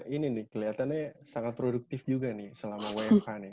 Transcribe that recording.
ini nih keliatannya sangat produktif juga nih selama wfh nih